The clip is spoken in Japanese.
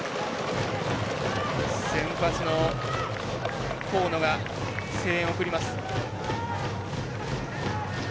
先発の河野が声援を送ります。